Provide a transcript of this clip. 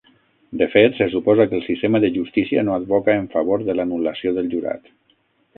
De fet, se suposa que el sistema de justícia no advoca en favor de l'anul·lació del jurat.